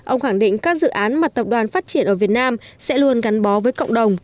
ông khẳng định các dự án mà tập đoàn phát triển ở việt nam sẽ luôn gắn bó với cộng đồng